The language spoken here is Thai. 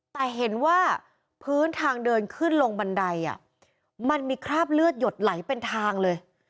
แต่เห็นว่าพื้นทางเดินขึ้นลงบันไดมันมีคราบเลือดหยดไหลเป็นทางเลย